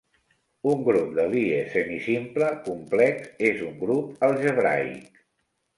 Un grup de Lie semisimple complex és un grup algebraic.